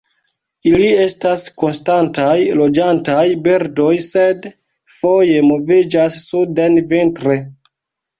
Ili estas konstantaj loĝantaj birdoj, sed foje moviĝas suden vintre.